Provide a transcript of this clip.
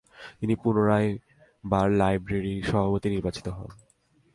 তিনি পুনরায় বার লাইব্রেরীর সভাপতি নির্বাচিত হন।